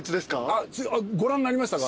あっご覧になりましたか？